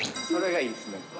それがいいですね。